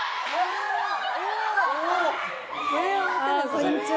こんにちは。